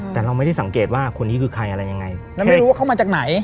แต่เราไม่ได้สังเกตว่าคนนี้คือใครอะไรยังไงแล้วไม่รู้ว่าเข้ามาจากไหน